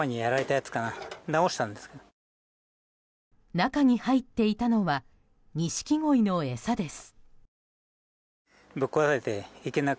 中に入っていたのはニシキゴイの餌です。